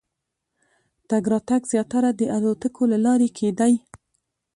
تګ راتګ زیاتره د الوتکو له لارې کېدی.